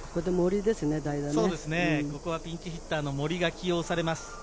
ピンチヒッターの森が起用されます。